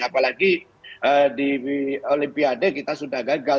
apalagi di olimpiade kita sudah gagal